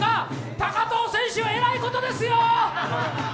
高藤選手、えらいことですよ！